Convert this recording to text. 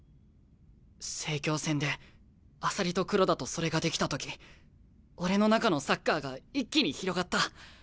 成京戦で朝利と黒田とそれができた時俺の中のサッカーが一気に広がった。